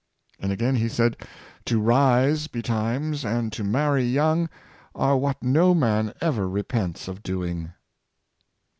*" And again he said, "To rise be times, and to marry young, are what no man ever re pents of doing."